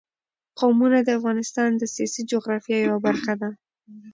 قومونه د افغانستان د سیاسي جغرافیه یوه برخه ده.